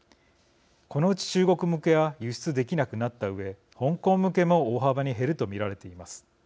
このうち、中国向けは輸出できなくなったうえ香港向けも大幅に減ると見られています。